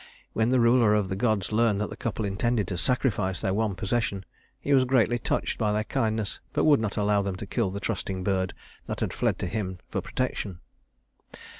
When the ruler of the gods learned that the couple intended to sacrifice their one possession, he was greatly touched by their kindness, but would not allow them to kill the trusting bird that had fled to him for protection.